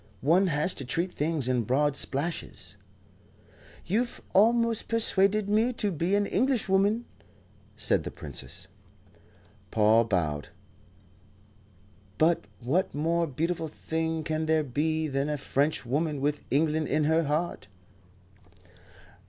One has to treat things in broad splashes." "You almost persuade me to be an Englishwoman," said the Princess. Paul bowed. "But what more beautiful thing can there be than a Frenchwoman with England in her heart?